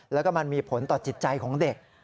แล้วก็มันมีผลต่อจิตใจของเด็ก